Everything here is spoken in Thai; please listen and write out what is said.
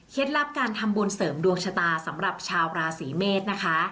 ลับการทำบุญเสริมดวงชะตาสำหรับชาวราศีเมษนะคะ